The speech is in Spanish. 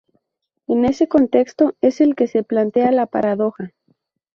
En ese contexto es en el que se plantea la paradoja.